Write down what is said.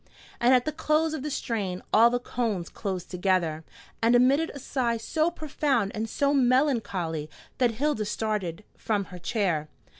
And at the close of the strain all the cones closed together, and emitted a sigh so profound and so melancholy that Hilda started from her chair.